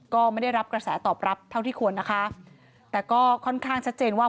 ก็ไม่ได้รับกระแสตอบรับเท่าที่ควรนะคะแต่ก็ค่อนข้างชัดเจนว่า